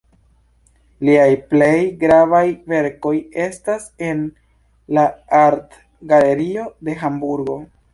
Liaj plej gravaj verkoj estas en la Artgalerio de Hamburgo.